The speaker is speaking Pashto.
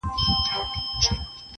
نه څپلۍ نه به جامې د چا غلاکیږي -